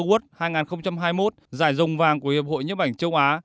và triển lãnh huy chương vàng của hiệp hội nhếp ảnh châu á